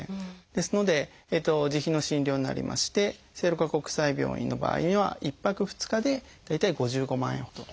ですので自費の診療になりまして聖路加国際病院の場合には１泊２日で大体５５万円ほどというふうになってます。